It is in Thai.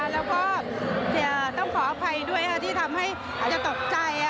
แล้วก็ต้องขออภัยด้วยที่ทำให้อาจจะตกใจ